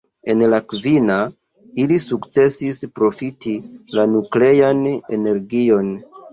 En la kvina, ili sukcesis profiti la nuklean energion.